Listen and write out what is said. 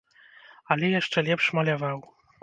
Але яшчэ лепш маляваў.